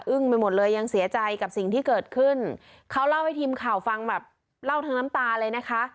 ไปหมดเลยยังเสียใจกับสิ่งที่เกิดขึ้นเขาเล่าให้ทีมข่าวฟังแบบเล่าทั้งน้ำตาเลยนะคะ